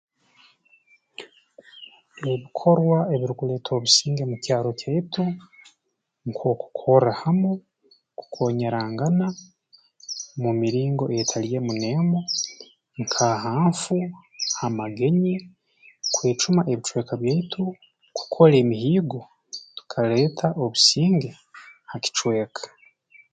Ebikorwa ebirukuleeta obusinge mu kyaro kyaitu nk'okukorra hamu kukoonyerangana mu miringo etali emu n'emu nk'ahanfu ha magenyi kwecuma ebicweka byaitu kukora emihiigo tukaleeta obusinge ha kicweka